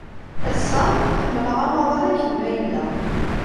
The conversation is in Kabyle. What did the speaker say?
Ass-a, ḥemmleɣ amaḍal akken ma yella.